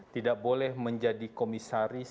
tidak boleh menjadi komisaris